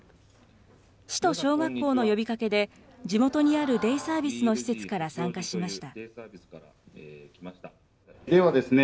市と小学校の呼びかけで、地元にあるデイサービスの施設から参加しました。